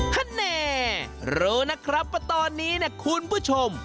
ฮันเน่รู้นะครับว่าตอนนี้คุณผู้ชม